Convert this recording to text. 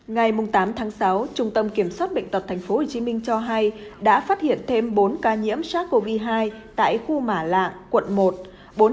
ngày tám tháng sáu trung tâm kiểm soát bệnh tật tp hcm cho hay đã phát hiện thêm bốn ca nhiễm sars cov hai tại khu mả lạng quận một